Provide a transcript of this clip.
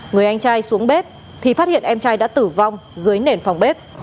người anh trai xuống bếp thì phát hiện em trai đã tử vong dưới nền phòng bếp